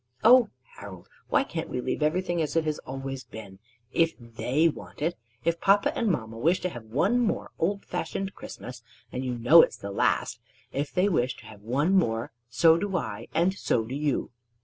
"Oh, Harold, why can't we leave everything as it has always been, if they want it! If papa and mamma wish to have one more old fashioned Christmas, and you know it's the last, if they wish to have one more, so do I and so do you!"